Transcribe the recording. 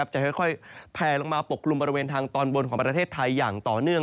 จะค่อยแพลลงมาปกกลุ่มบริเวณทางตอนบนของประเทศไทยอย่างต่อเนื่อง